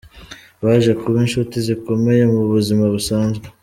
Baje kuba inshuti zikomeye mu buzima busanzwe.